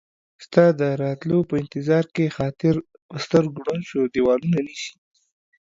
ستا د راتلو په انتظار کې خاطر ، په سترګو ړوند شو ديوالونه نيسي